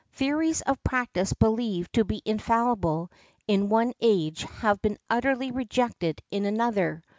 Theories of practice believed to be infallible in one age have been utterly rejected in another.